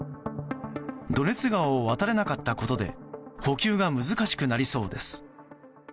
ドネツ川を渡れなかったことで補給が難しくなりそうです。